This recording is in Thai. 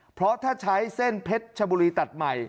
เพราะถ้าใช้เส้นเพชรชบุรีตัดใหม่